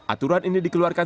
aturan ini dikeluarkan